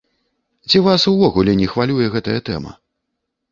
Ці вас увогуле не хвалюе гэтая тэма?